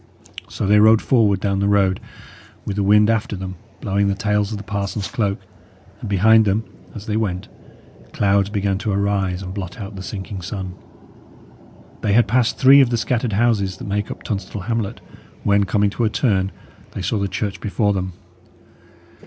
So they rode forward down the road, with the wind after them, blowing the tails of the parson's cloak; and behind them, as they went, clouds began to arise and blot out the sinking sun. They had passed three of the scattered houses that make up Tunstall hamlet, when, coming to a turn, they saw the church before them.